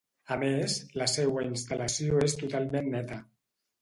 A més, la seua instal·lació és totalment neta.